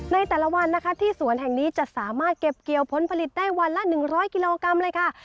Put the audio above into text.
ในแต่ละวันนะคะที่สวนแห่งนี้จะสามารถเก็บเกี่ยวผลผลิตได้วันละ๑๐๐กิโลกรัมเลยค่ะ